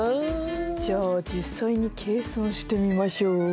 じゃあ実際に計算してみましょう。